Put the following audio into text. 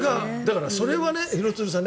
それは廣津留さん